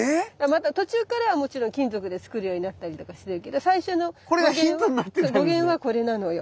途中からはもちろん金属で作るようになったりとかするけど最初の語源はこれなのよ。